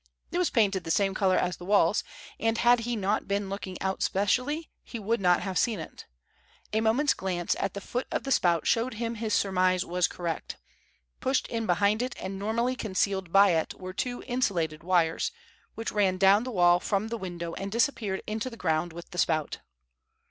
It was painted the same color as the walls, and had he not been looking out specially he would not have seen it. A moment's glance at the foot of the spout showed him his surmise was correct. Pushed in behind it and normally concealed by it were two insulated wires, which ran down the wall from the window and disappeared into the ground with the spout.